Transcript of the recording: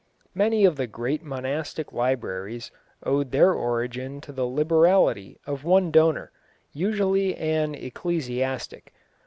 Many of the great monastic libraries owed their origin to the liberality of one donor, usually an ecclesiastic.